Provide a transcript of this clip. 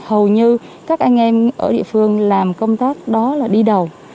hầu như các anh em ở địa phương làm công tác đó là đi đầu